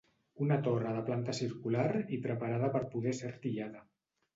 Una torre de planta circular i preparada per poder ser artillada.